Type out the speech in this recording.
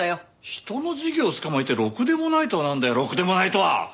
人の事業をつかまえてろくでもないとはなんだよろくでもないとは！